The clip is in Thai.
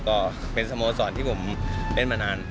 ก็เป็นสโมสรที่ผมเล่นมานาน